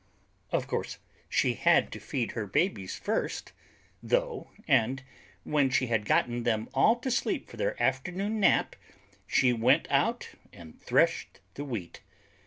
Of course, she had to feed her babies first, though, and when she had gotten them all to sleep for their afternoon nap, she went out and threshed the Wheat.